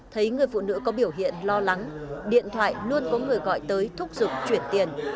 thấy người phụ nữ có biểu hiện lo lắng điện thoại luôn có người gọi tới thúc giục chuyển tiền